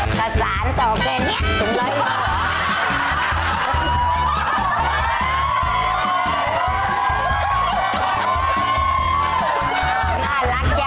ข้าวสารต่อแก่เนี้ยตรงไหนหรอ